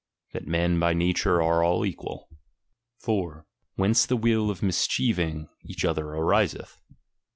That men by nature are all equal. ■* Whence the will of mischieving each other ariseth.